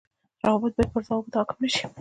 روابط باید پر ضوابطو حاڪم نشي